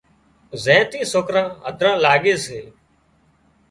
زين ٿي سوڪران هڌران لاڳي سي